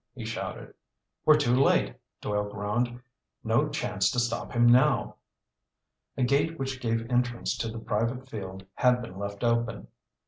he shouted. "We're too late," Doyle groaned. "No chance to stop him now." A gate which gave entrance to the private field had been left open.